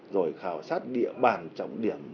rồi khảo sát địa bàn trọng điểm